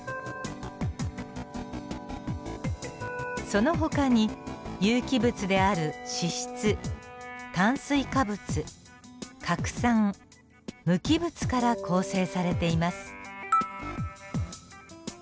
そのほかに有機物である脂質炭水化物核酸無機物から構成されています。